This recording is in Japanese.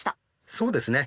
そうですね。